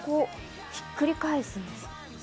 ひっくり返すんです。